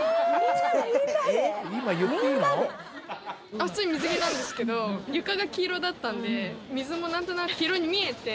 普通に水着なんですけど床が黄色だったんで水もなんとなく黄色に見えて